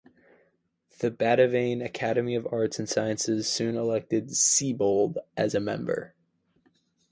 The Batavian Academy of Arts and Sciences soon elected Siebold as a member.